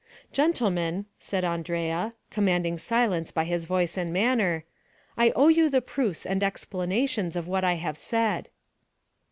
"Gentlemen," said Andrea, commanding silence by his voice and manner; "I owe you the proofs and explanations of what I have said."